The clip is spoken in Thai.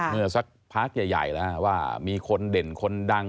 เมื่อสักพาร์ทใหญ่มีคนเด่นคนดัง